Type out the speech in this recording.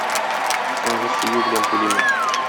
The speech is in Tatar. Соңгы сөю белән түлимен.